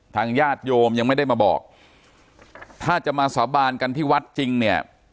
ญาติโยมยังไม่ได้มาบอกถ้าจะมาสาบานกันที่วัดจริงเนี่ย